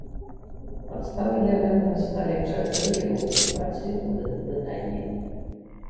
Падставай для гэтага сталі чатыры яго публікацыі ў гэтым выданні.